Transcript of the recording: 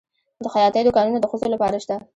د خیاطۍ دوکانونه د ښځو لپاره شته؟